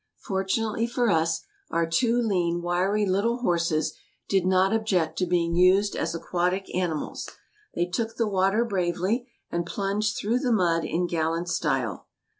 Fortunately for us, our two lean, wiry little horses did not object to being used as aquatic animals. They took the water bravely, and plunged through the mud in gallant style.